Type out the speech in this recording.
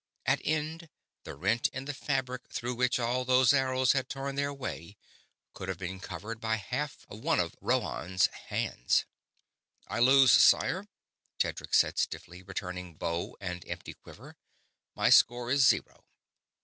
At end, the rent in the fabric through which all those arrows had torn their way could have been covered by half of one of Rhoann's hands. "I lose, sire," Tedric said, stiffly, returning bow and empty quiver. "My score is zero."